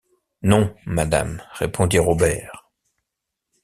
Non, madame, répondit Robert.